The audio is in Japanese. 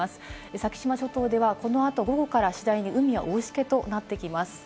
先島諸島ではこのあと午後から次第に海は大しけとなってきます。